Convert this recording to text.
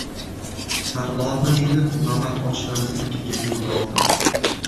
Tarlonni minib, Mamat oshnamiznikiga yo‘l oldim.